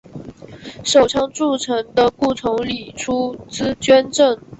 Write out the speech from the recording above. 首倡筑城的顾从礼出资捐建。